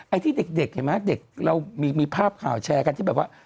ที่เด็กเห็นไหมเด็กเรามีภาพข่าวแชร์กันที่แบบว่า